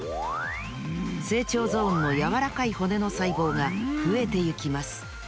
成長ゾーンのやわらかい骨のさいぼうがふえていきます。